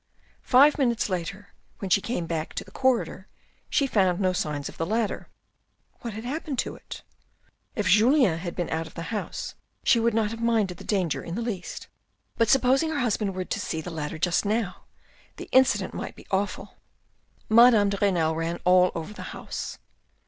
Five minutes later, when she came back to the corridor, she found no signs of the ladder. What had happened to it ? If Julien had been out of the house she would not have minded the danger in the least. But supposing her husband were to see the ladder just now, the incident might be awful. Madame de Renal ran all over the house.